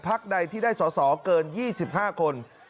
ใดที่ได้สอสอเกิน๒๕คน